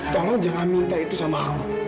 tolong jangan minta itu sama aku